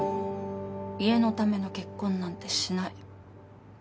家のための結婚なんてしない。